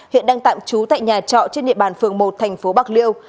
hiện đang tạm trú tại nhà trọ trên địa bàn phường một thành phố bạc liêu